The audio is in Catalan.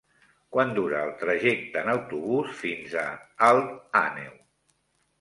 Quant dura el trajecte en autobús fins a Alt Àneu?